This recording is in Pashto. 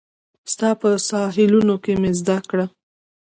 ستا په ساحلونو کې مې زده کړه